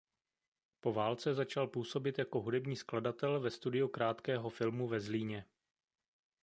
Po válce začal působit jako hudební skladatel ve studiu krátkého filmu ve Zlíně.